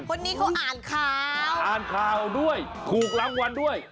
คนนี้เขาอ่านข่าวอ่านข่าวด้วยถูกรางวัลด้วย